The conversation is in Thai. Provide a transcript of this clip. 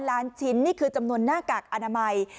ล้านชิ้นนี่คือจำนวนหน้ากากอนามัย